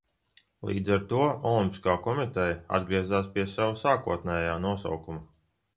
Līdz ar to Olimpiskā komiteja atgriezās pie sava sākotnējā nosaukuma.